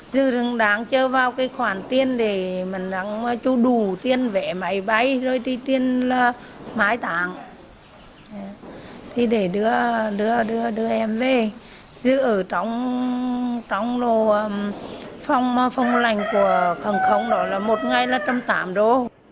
giữ ở trong lò phong lành của khẩn khống đó là một ngày là trăm tạm đô